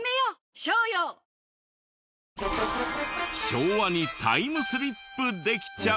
昭和にタイムスリップできちゃう。